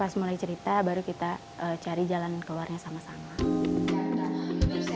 pas mulai cerita baru kita cari jalan keluarnya sama sama